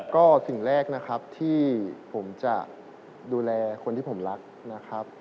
ก็สิ่งแรกนะครับที่ผมจะดูแลคนที่ผมรักนะครับ